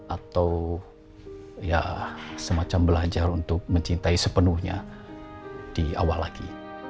atau ya semacam belajar untuk mencintai sepenuhnya di awal lagi